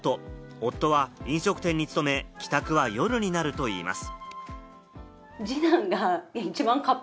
夫は飲食店に勤め、帰宅は夜になるといいます。